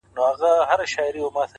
هره تجربه د عقل یو نوی رنګ دی